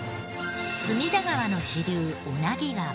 隅田川の支流小名木川。